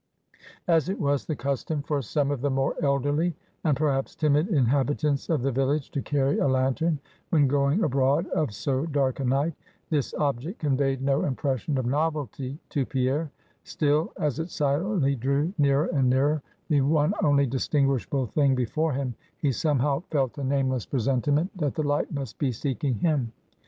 As it was the custom for some of the more elderly, and perhaps timid inhabitants of the village, to carry a lantern when going abroad of so dark a night, this object conveyed no impression of novelty to Pierre; still, as it silently drew nearer and nearer, the one only distinguishable thing before him, he somehow felt a nameless presentiment that the light must be seeking him.